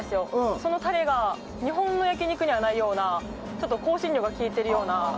そのタレが日本の焼き肉にはないようなちょっと香辛料がきいているような。